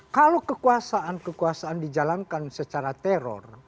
kalau kekuasaan kekuasaan dijalankan secara teror